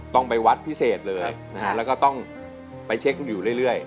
ต้องไปวัดพิเศษเลยนะฮะแล้วก็ต้องไปเช็คอยู่เรื่อย